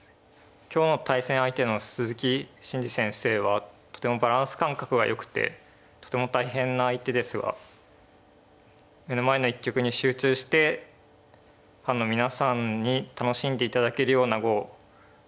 今日の対戦相手の鈴木伸二先生はとてもバランス感覚がよくてとても大変な相手ですが目の前の一局に集中してファンの皆さんに楽しんで頂けるような碁を打ちたいです。